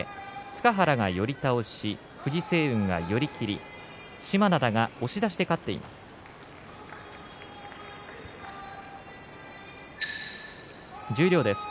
塚原、寄り倒し藤青雲が寄り切り對馬洋が押し出しで勝っています。